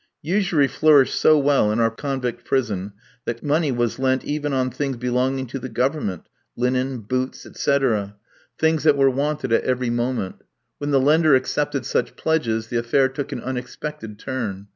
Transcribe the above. Usury flourished so well in our convict prison that money was lent even on things belonging to the Government: linen, boots, etc. things that were wanted at every moment. When the lender accepted such pledges the affair took an unexpected turn.